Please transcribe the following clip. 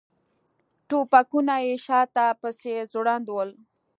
ټوپکونه یې شاته پسې ځوړند ول.